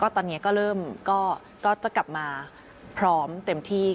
ตอนนี้ก็จะกลับมาพร้อมเต็มที่